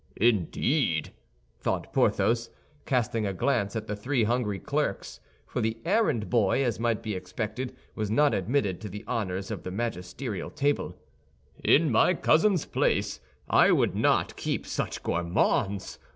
"Indeed!" thought Porthos, casting a glance at the three hungry clerks—for the errand boy, as might be expected, was not admitted to the honors of the magisterial table, "in my cousin's place, I would not keep such gourmands!